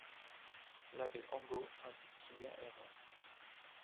L'abbé Angot indique qu'il y a erreur.